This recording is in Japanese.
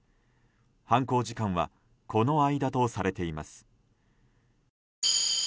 犯行時間はこの間とされています。